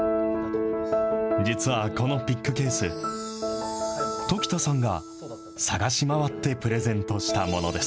実はこのピックケース、常田さんが探し回ってプレゼントしたものです。